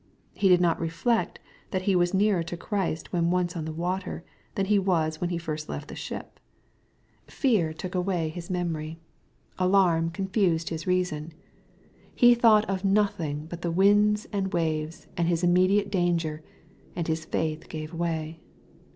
He did not reflect that h was nearer to Christ When once on the water, than he was when he first left the ship. Fear took away hi* MATTHEW, CHAP. XIV. 169 memoiy. Alarm confused his reason. He thought of nothing but the ^da iind waves and his immediate danger, and his faith gave way.